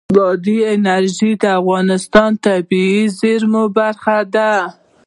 بادي انرژي د افغانستان د طبیعي زیرمو برخه ده.